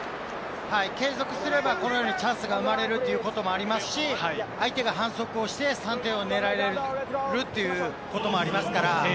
継続すれば、このようにチャンスが生まれるということもありますし、相手が反則をして３点を狙えるということもありますから。